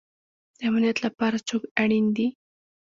د امنیت لپاره څوک اړین دی؟